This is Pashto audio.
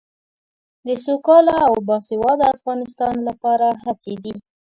د سوکاله او باسواده افغانستان لپاره هڅې دي.